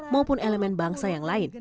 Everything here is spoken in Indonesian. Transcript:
maupun elemen bangsa yang lain